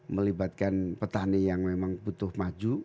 melibatkan petani yang memang butuh maju